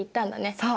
そう。